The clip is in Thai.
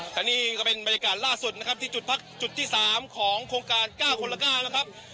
และนี่ก็เป็นบรรยากาศล่าสุดนะครับที่จุดพักจุดที่๓ของโครงการ๙คนละ๙นะครับ